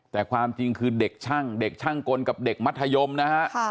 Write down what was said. แต่ความจริงคือเด็กช่างเด็กช่างกลกับเด็กมัธยมนะฮะ